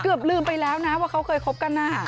พูดไปแล้วนะว่าเค้าเคยคบกันนะ